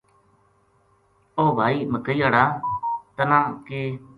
او بھائی مکئی ہاڑا ! تنا کِ